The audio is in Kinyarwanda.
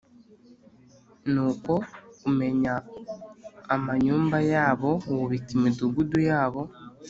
Nuko umenya amanyumba yabo wubika imidugudu yabo